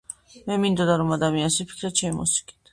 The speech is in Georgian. მე მინდოდა რომ ადამიანებს ეფიქრათ ჩემი მუსიკით.